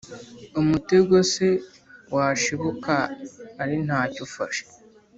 Umutego se washibuka ari nta cyo ufashe?